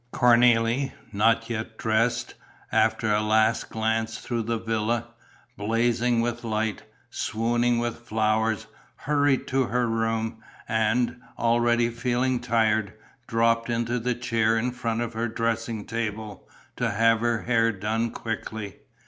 Cornélie, not yet dressed, after a last glance through the villa, blazing with light, swooning with flowers, hurried to her room and, already feeling tired, dropped into the chair in front of her dressing table, to have her hair done quickly.